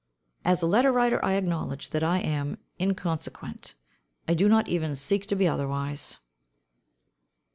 As a letter writer I acknowledge that I am inconsequent. I do not even seek to be otherwise.